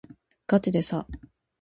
がちでさ